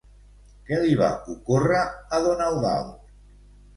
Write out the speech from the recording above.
Què li va ocórrer a don Eudald?